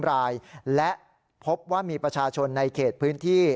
รายและพบว่ามีประชาชนในเขตพื้นที่